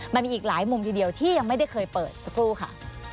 มันมีอีกหลายมุมทีเดียวที่ยังไม่ได้เคยเปิดสักครู่ค่ะ